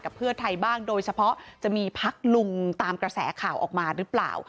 เพื่อไทยบ้างโดยเฉพาะจะมีพักลุงตามกระแสข่าวออกมาหรือเปล่า